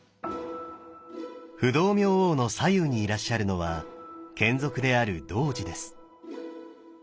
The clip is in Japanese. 不動明王の左右にいらっしゃるのは眷属である童子です。